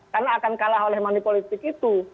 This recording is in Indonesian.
karena akan kalah oleh money politik itu